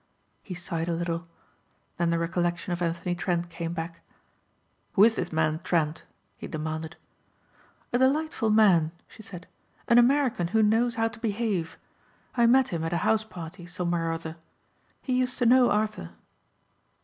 He sighed a little. Then the recollection of Anthony Trent came back. "Who is this man Trent?" he demanded. "A delightful man," she said, "an American who knows how to behave. I met him at a houseparty somewhere or other. He used to know Arthur."